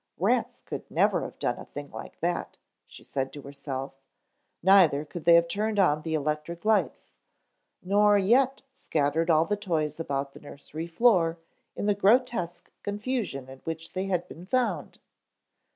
Rats could never have done a thing like that, she said to herself, neither could they have turned on the electric lights, nor yet scattered all the toys about the nursery floor in the grotesque confusion in which they had been found.